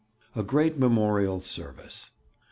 A GREAT MEMORIAL SERVICE.